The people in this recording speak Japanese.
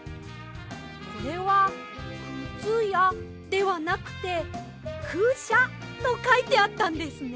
これは「クツヤ」ではなくて「クシャ」とかいてあったんですね。